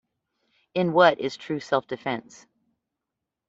In What is True Self Defense?